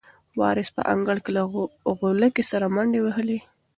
وارث په انګړ کې له غولکې سره منډې وهلې.